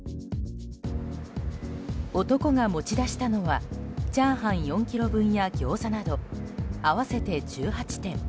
男が持ち出したのはチャーハン４ｋｇ分やギョーザなど、合わせて１８点。